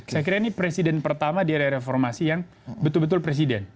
saya kira ini presiden pertama di area reformasi yang betul betul presiden